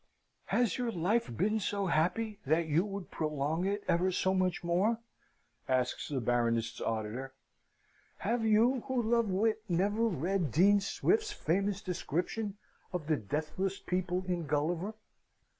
"Has your life been so happy that you would prolong it ever so much more?" asks the Baroness's auditor. "Have you, who love wit, never read Dean Swift's famous description of the deathless people in Gulliver?